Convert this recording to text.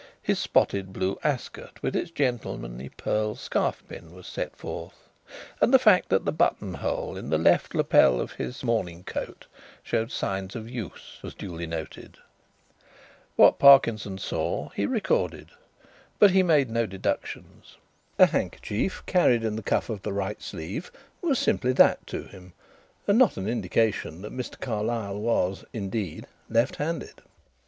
His spotted blue ascot, with its gentlemanly pearl scarfpin, was set forth, and the fact that the buttonhole in the left lapel of his morning coat showed signs of use was duly noted. What Parkinson saw he recorded, but he made no deductions. A handkerchief carried in the cuff of the right sleeve was simply that to him and not an indication that Mr. Carlyle was, indeed, left handed.